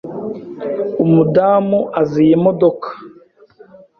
Umudamu azi iyi modoka?